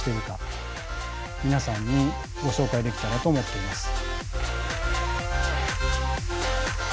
皆さんにご紹介できたらと思っています。